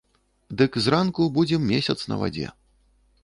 Дык зранку будзем месяц на вадзе.